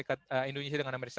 ataupun neraca dagang as